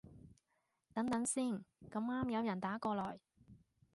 等等先，咁啱有人打過來